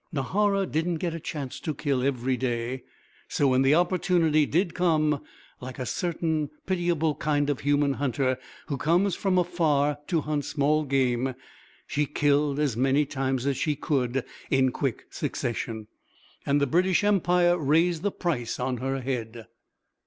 Nahara didn't get a chance to kill every day; so when the opportunity did come, like a certain pitiable kind of human hunter who comes from afar to hunt small game, she killed as many times as she could in quick succession. And the British Empire raised the price on her head.